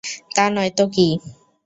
তা নয়তো কী?